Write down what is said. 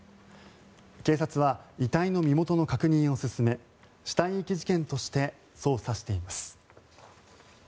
警察は遺体の身元の確認を進め死体遺棄事件として捜査しています。